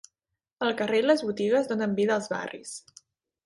El carrer i les botigues donen vida als barris.